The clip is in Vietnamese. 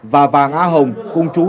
và vàng a hồng cùng chú